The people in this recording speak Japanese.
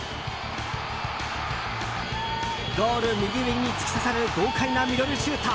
ゴール右上に突き刺さる豪快なミドルシュート。